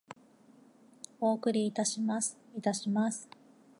お送りいたします。いたします。